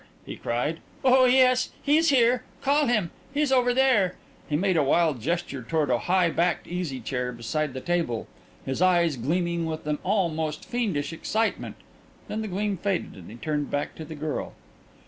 he cried. "Oh, yes; he's here! Call him! He's over there!" He made a wild gesture toward a high backed easy chair beside the table, his eyes gleaming with an almost fiendish excitement; then the gleam faded, and he turned back to the girl.